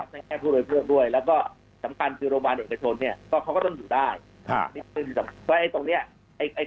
แล้วก็จำกัดโรงพยาบาลไปชนนี้แล้วเขาก็ต้องอยู่ได้